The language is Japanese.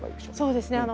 そうですね。